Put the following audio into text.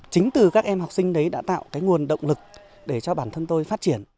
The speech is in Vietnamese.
chính từ các em học sinh đấy đã tạo cái nguồn động lực để cho bản thân tôi phát triển